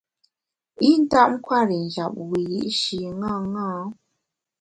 I ntap nkwer i njap wiyi’shi ṅaṅâ.